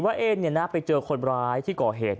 ว่าไปเจอคนร้ายที่ก่อเหตุ